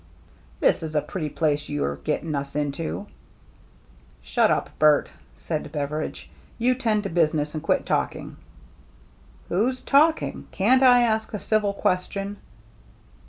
" This is a pretty place you're getting us into." " Shut up, Bert !" said Beveridge. " You tend to business^ and quit talking." "Who's talking? Can't I ask a civil question